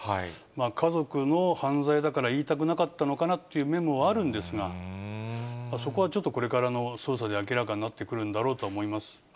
家族の犯罪だから言いたくなかったのかなという面もあるんですが、そこはちょっと、これからの捜査で明らかになってくるんだろうとは思います。